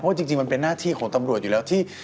จริงมันเป็นหน้าที่ของตำรวจอยู่แล้วที่